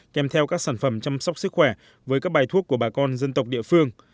kèm theo các sản phẩm chăm sóc sức khỏe với các bài thuốc của bà con dân tộc địa phương